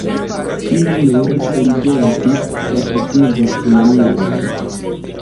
Ili nur ridetis, sed diris nenion.